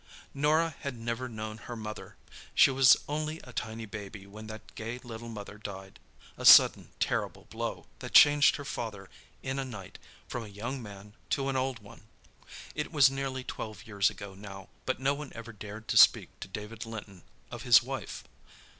Norah had never known her mother. She was only a tiny baby when that gay little mother died—a sudden, terrible blow, that changed her father in a night from a young man to an old one. It was nearly twelve years ago, now, but no one ever dared to speak to David Linton of his wife.